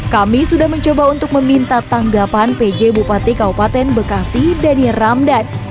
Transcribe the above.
kami sudah mencoba untuk meminta tanggapan pj bupati kabupaten bekasi daniel ramdan